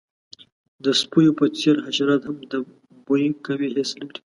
د سپیو په څیر، حشرات هم د بوی قوي حس لري.